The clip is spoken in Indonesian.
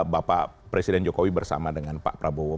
bapak presiden jokowi bersama dengan pak prabowo